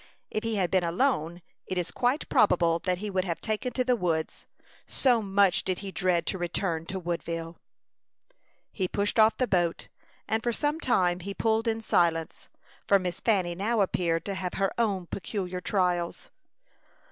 If he had been alone, it is quite probable that he would have taken to the woods, so much did he dread to return to Woodville. He pushed off the boat, and for some time he pulled in silence, for Miss Fanny now appeared to have her own peculiar trials.